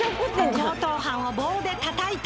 強盗犯を棒でたたいた！